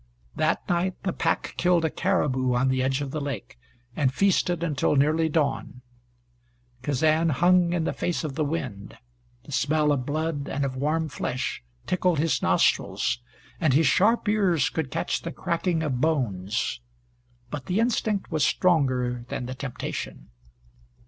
That night the pack killed a caribou on the edge of the lake, and feasted until nearly dawn. Kazan hung in the face of the wind. The smell of blood and of warm flesh tickled his nostrils, and his sharp ears could catch the cracking of bones. But the instinct was stronger than the temptation.